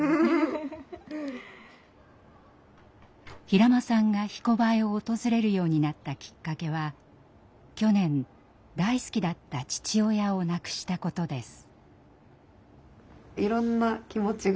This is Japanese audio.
平間さんが「ひこばえ」を訪れるようになったきっかけは去年大好きだった父親を亡くしたことです。